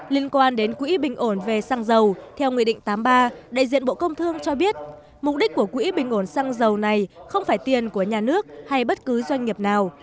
liên quan đến quỹ bình ổn về xăng dầu theo nghị định tám mươi ba đại diện bộ công thương cho biết mục đích của quỹ bình ổn xăng dầu này không phải tiền của nhà nước hay bất cứ doanh nghiệp nào